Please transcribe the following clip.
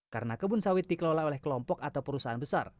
karena kebun sawit dikelola oleh kelompok atau perusahaan besar